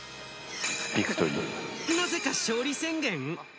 なぜか勝利宣言？！